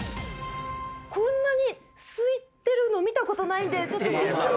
こんなにすいてるの見たことないんでちょっとびっくり。